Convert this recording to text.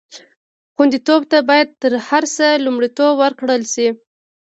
خوندیتوب ته باید تر هر څه لومړیتوب ورکړل شي.